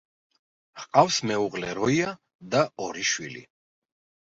ჰყავს მეუღლე როია და ორი შვილი.